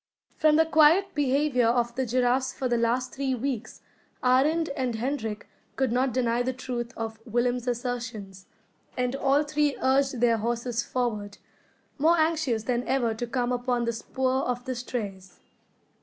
From the quiet behaviour of the giraffes for the last three weeks, Arend and Hendrik could not deny the truth of Willem's assertions; and all three urged their horses forward, more anxious than ever to come upon the spoor of the strays.